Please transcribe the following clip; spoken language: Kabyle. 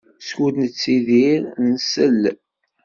Skud nettidir, nsell.